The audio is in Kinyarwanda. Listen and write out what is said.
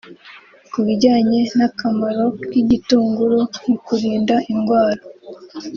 Ku bijyanye n’akamaro k’igitunguru mu kurinda indwara